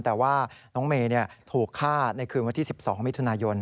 แต่ว่าน้องเมย์ถูกฆ่าในคืนวันที่๑๒มิถุนายน